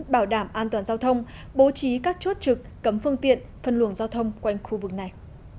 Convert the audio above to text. bảo đảm an toàn giao thông bố trí các chốt trực cấm phương tiện phân luồng giao thông quanh khu vực này